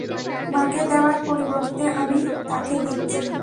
মাকে দেওয়ার পরিবর্তে, আমি তাকে দিচ্ছি।